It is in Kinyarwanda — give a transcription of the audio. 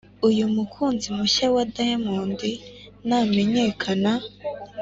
uyu mukunzi mushya wa diamond namenyekana